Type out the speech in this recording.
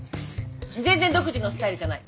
全然独自のスタイルじゃない。